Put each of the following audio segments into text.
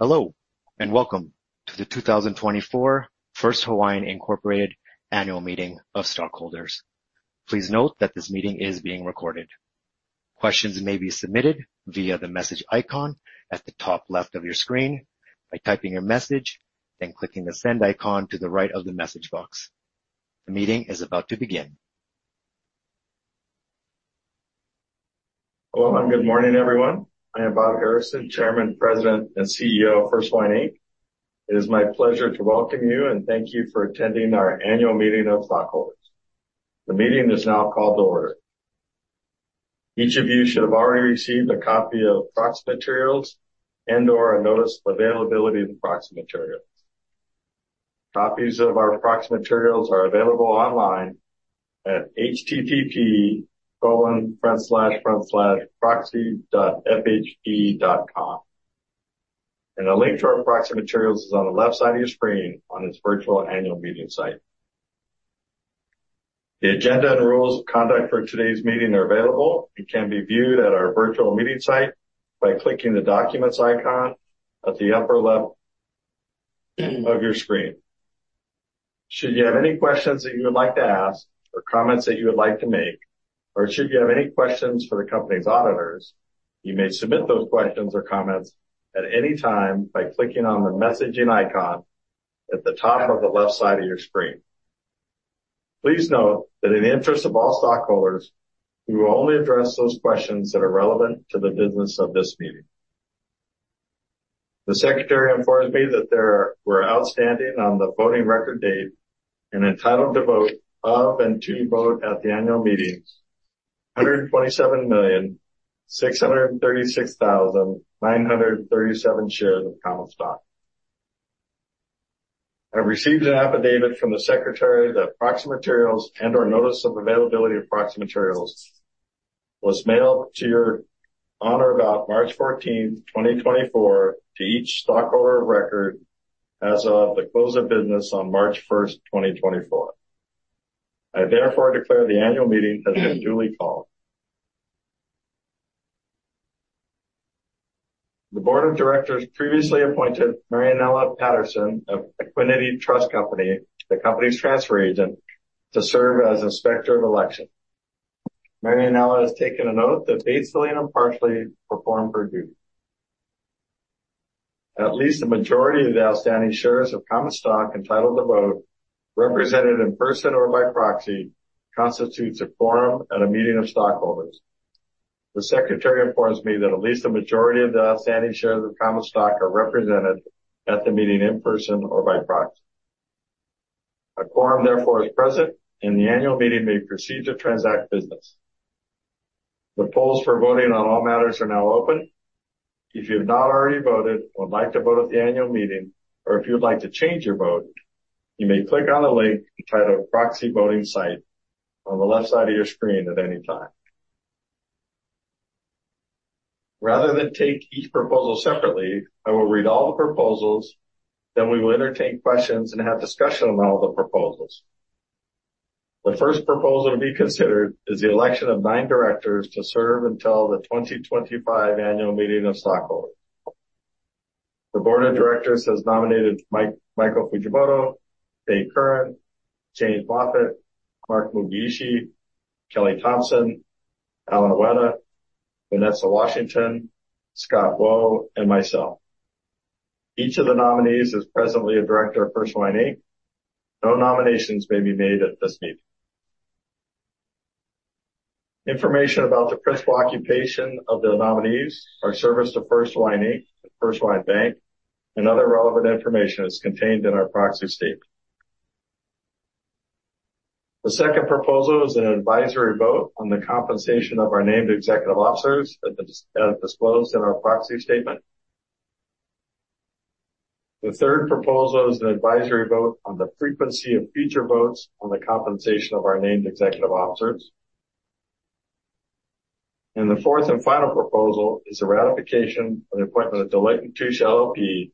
Hello and welcome to the 2024 First Hawaiian, Inc. Annual Meeting of Stockholders. Please note that this meeting is being recorded. Questions may be submitted via the message icon at the top left of your screen by typing your message, then clicking the send icon to the right of the message box. The meeting is about to begin. Hello, and good morning, everyone. I am Bob Harrison, Chairman, President, and CEO of First Hawaiian, Inc. It is my pleasure to welcome you and thank you for attending our annual meeting of stockholders. The meeting is now called to order. Each of you should have already received a copy of proxy materials and/or a notice of availability of the proxy materials. Copies of our proxy materials are available online at https://proxy.fhb.com, and a link to our proxy materials is on the left side of your screen on this virtual annual meeting site. The agenda and rules of conduct for today's meeting are available and can be viewed at our virtual meeting site by clicking the documents icon at the upper left of your screen. Should you have any questions that you would like to ask or comments that you would like to make, or should you have any questions for the company's auditors, you may submit those questions or comments at any time by clicking on the messaging icon at the top of the left side of your screen. Please note that in the interest of all stockholders, we will only address those questions that are relevant to the business of this meeting. The Secretary informs me that there were outstanding on the voting record date and entitled to vote at the annual meeting 127,636,937 shares of common stock. I've received an affidavit from the Secretary that proxy materials and/or notice of availability of proxy materials was mailed on or about March 14, 2024, to each stockholder of record as of the close of business on March 1, 2024. I therefore declare the annual meeting as a duly called. The Board of Directors previously appointed Marianella Patterson of Equiniti Trust Company, the company's transfer agent, to serve as inspector of election. Marianella has taken an oath to faithfully and impartially perform her duty. At least a majority of the outstanding shares of common stock entitled to vote, represented in person or by proxy, constitutes a quorum at a meeting of stockholders. The Secretary informs me that at least a majority of the outstanding shares of common stock are represented at the meeting in person or by proxy. A quorum therefore is present, and the annual meeting may proceed to transact business. The polls for voting on all matters are now open. If you have not already voted or would like to vote at the annual meeting, or if you would like to change your vote, you may click on the link entitled Proxy Voting Site on the left side of your screen at any time. Rather than take each proposal separately, I will read all the proposals, then we will entertain questions and have discussion on all the proposals. The first proposal to be considered is the election of nine directors to serve until the 2025 annual meeting of stockholders. The Board of Directors has nominated Michael Fujimoto, Faye Kurren, James Moffatt, Mark Mugiishi, Kelly Thompson, Allen Uyeda, Vanessa Washington, Scott Wo, and myself. Each of the nominees is presently a director of First Hawaiian, Inc. No nominations may be made at this meeting. Information about the principal occupation of the nominees, our service to First Hawaiian, Inc., First Hawaiian Bank, and other relevant information is contained in our proxy statement. The second proposal is an advisory vote on the compensation of our named executive officers as disclosed in our proxy statement. The third proposal is an advisory vote on the frequency of future votes on the compensation of our named executive officers. The fourth and final proposal is a ratification of the appointment of Deloitte & Touche LLP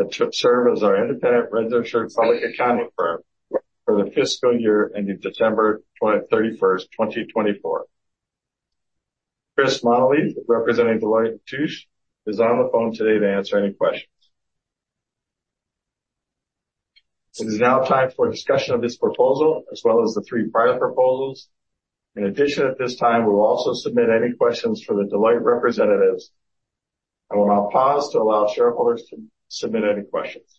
to serve as our independent registered public accounting firm for the fiscal year ending December 31, 2024. Chris Mennel, representing Deloitte & Touche, is on the phone today to answer any questions. It is now time for discussion of this proposal as well as the three prior proposals. In addition, at this time, we will also submit any questions for the Deloitte representatives, and we'll now pause to allow shareholders to submit any questions.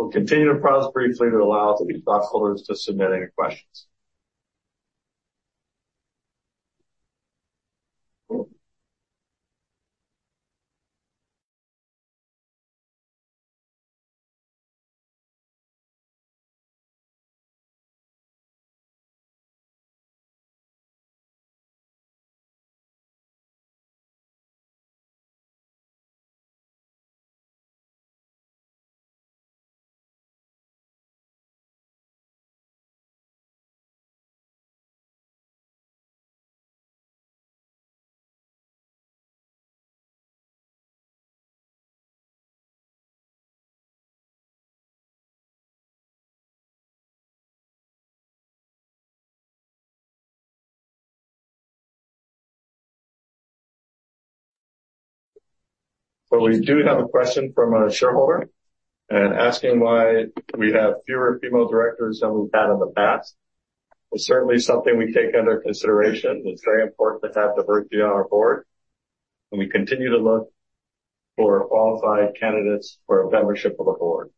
We'll continue to pause briefly to allow the stockholders to submit any questions. So we do have a question from a shareholder asking why we have fewer female directors than we've had in the past. It's certainly something we take under consideration. It's very important to have diversity on our board, and we continue to look for qualified candidates for membership of the board.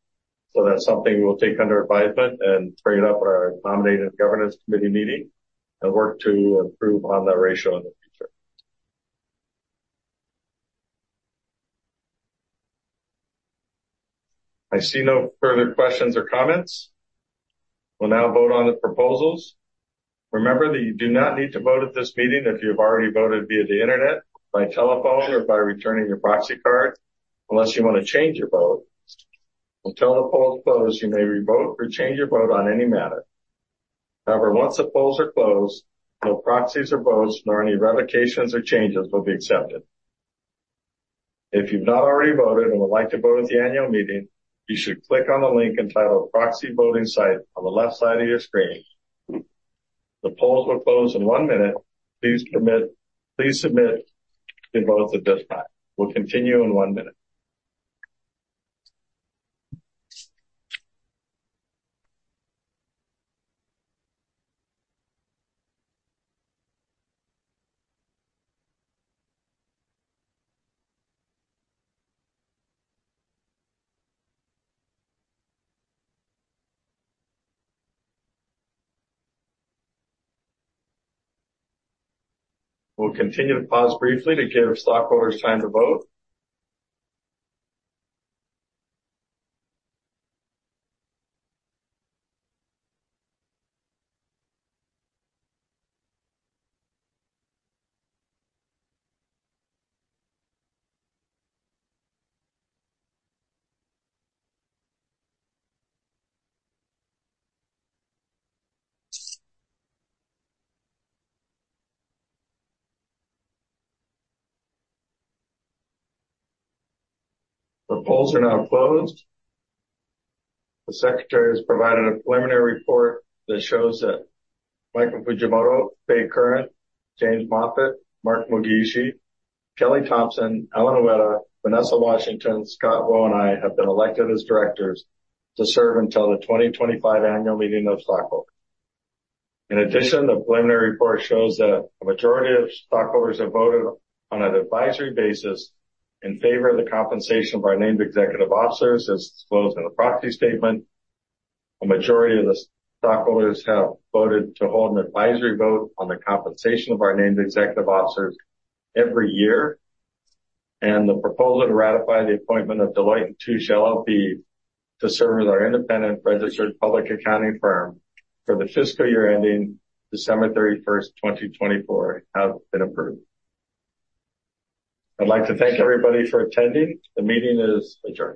So that's something we will take under advisement and bring it up at our nominating governance committee meeting and work to improve on that ratio in the future. I see no further questions or comments. We'll now vote on the proposals. Remember that you do not need to vote at this meeting if you have already voted via the internet, by telephone, or by returning your proxy card unless you want to change your vote. Until the polls close, you may revote or change your vote on any matter. However, once the polls are closed, no proxies or votes, nor any ratifications or changes will be accepted. If you've not already voted and would like to vote at the annual meeting, you should click on the link entitled Proxy Voting Site on the left side of your screen. The polls will close in one minute. Please submit your votes at this time. We'll continue in one minute. We'll continue to pause briefly to give stockholders time to vote. The polls are now closed. The Secretary has provided a preliminary report that shows that Michael Fujimoto, Faye Kurren, James Moffatt, Mark Mugiishi, Kelly Thompson, Allen Uyeda, Vanessa Washington, Scott Wo, and I have been elected as directors to serve until the 2025 annual meeting of stockholders. In addition, the preliminary report shows that a majority of stockholders have voted on an advisory basis in favor of the compensation of our named executive officers, as disclosed in the proxy statement. A majority of the stockholders have voted to hold an advisory vote on the compensation of our named executive officers every year, and the proposal to ratify the appointment of Deloitte & Touche LLP to serve as our independent registered public accounting firm for the fiscal year ending December 31, 2024, has been approved. I'd like to thank everybody for attending. The meeting is adjourned.